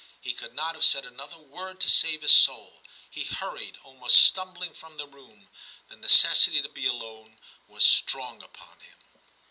He could not have said another word to save his soul. He hurried almost stumbling from the room ; the necessity to be alone was strong upon him.